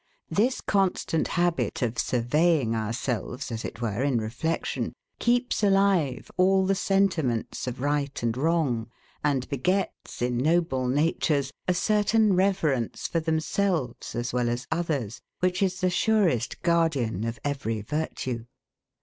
This constant habit of surveying ourselves, as it were, in reflection, keeps alive all the sentiments of right and wrong, and begets, in noble natures, a certain reverence for themselves as well as others, which is the surest guardian of every virtue.